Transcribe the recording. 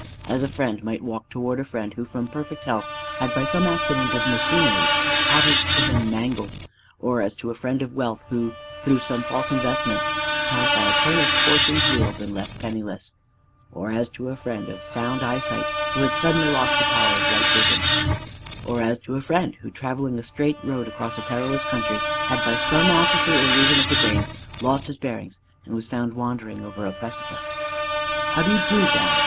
As a friend might walk toward a friend who from perfect health had by some accident of machinery tottered to him mangled; or as to a friend of wealth who through some false investment had by a turn of fortune's wheel been left penniless; or as to a friend of sound eyesight who had suddenly lost the power of right vision; or as to a friend who travelling a straight road across a perilous country had by some atrophy or lesion of the brain lost his bearings and was found wandering over a precipice. "How do you do, Downs?"